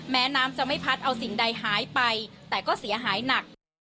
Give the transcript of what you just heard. แม้น้ำจะไม่พัดเอาสิ่งใดหายไปแต่ก็เสียหายหนัก